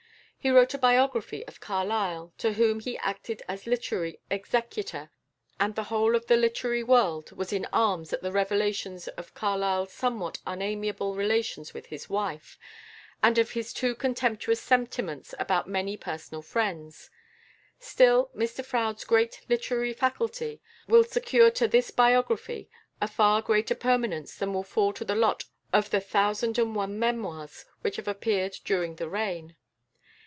He wrote a biography of Carlyle, to whom he acted as literary executor, and the whole of the literary world was in arms at the revelations of Carlyle's somewhat unamiable relations with his wife, and of his too contemptuous sentiments about many personal friends. Still, Mr Froude's great literary faculty will secure to this biography a far greater permanence than will fall to the lot of the thousand and one memoirs which have appeared during the reign.